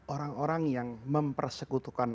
orang orang yang mempersekutukan